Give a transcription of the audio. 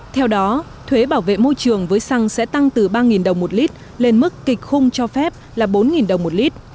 theo đó thuế bảo vệ môi trường với xăng sẽ tăng từ ba đồng một lít lên mức kịch khung cho phép là bốn đồng một lít